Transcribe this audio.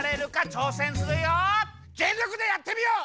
ぜんりょくでやってみよう！